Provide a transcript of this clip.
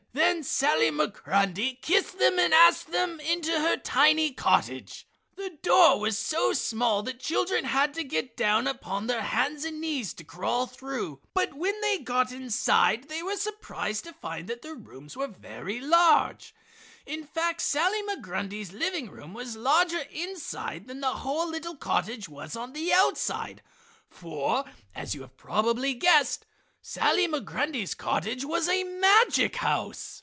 Then Sally Migrundy kissed them and asked them into her tiny cottage. The door was so small the children had to get down upon their hands and knees to crawl through. But when they got inside they were surprised to find that the rooms were very large. In fact, Sally Migrundy's living room was larger inside than the whole little cottage was on the outside, for, as you have probably guessed, Sally Migrundy's cottage was a magic house.